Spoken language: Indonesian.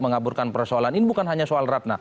mengaburkan persoalan ini bukan hanya soal ratna